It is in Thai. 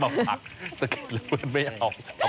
ไม่ต้องพาคสะเก็ดระเบิดไม่เอา